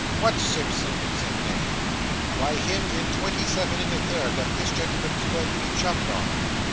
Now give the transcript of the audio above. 'What Simpson?' said Neddy. 'Why, him in twenty seven in the third, that this gentleman's going to be chummed on.